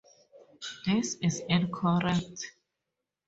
This is incorrect.